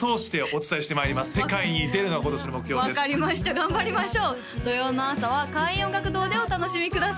頑張りましょう土曜の朝は開運音楽堂でお楽しみください